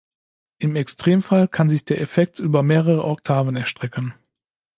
Im Extremfall kann sich der Effekt über mehrere Oktaven erstrecken.